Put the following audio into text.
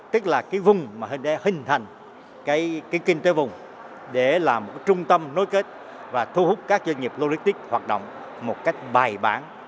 tức là cái vùng mà hình thành kinh tế vùng để làm một trung tâm nối kết và thu hút các doanh nghiệp logistics hoạt động một cách bài bản